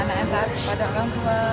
anak yang baik kepada orang tua